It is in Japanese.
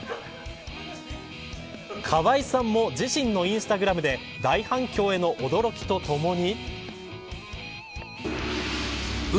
川合さんも自身のインスタグラムで大反響への驚きとともに。